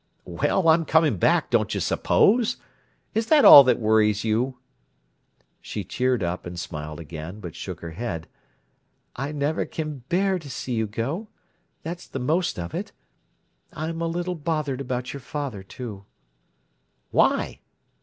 "Well, I'm coming back, don't you suppose? Is that all that worries you?" She cheered up, and smiled again, but shook her head. "I never can bear to see you go—that's the most of it. I'm a little bothered about your father, too." "Why?"